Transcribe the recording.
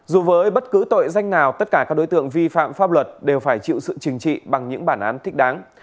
dù với bất cứ tội danh nào tất cả các đối tượng vi phạm pháp luật đều phải chịu sự chừng trị bằng những bản án thích đáng